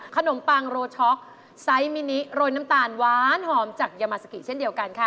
ปังโรช็อกไซส์มินิโรยน้ำตาลหวานหอมจากยามาซากิเช่นเดียวกันค่ะ